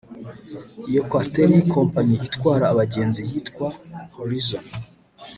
Iyo Coaster y’ikompanyi itwara abagenzi yitwa Horizon